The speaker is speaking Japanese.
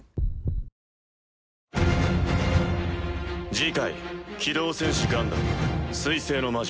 次回「機動戦士ガンダム水星の魔女」